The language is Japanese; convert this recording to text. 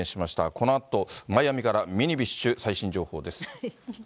このあと、マイアミからミニビッシュ最新情報です。